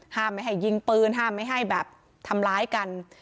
ไม่ให้ยิงปืนห้ามไม่ให้แบบทำร้ายกัน